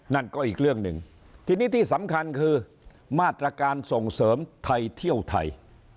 นั่นก็อีกเรื่องหนึ่งทีนี้ที่สำคัญคือมาตรการส่งเสริมไทยเที่ยวไทย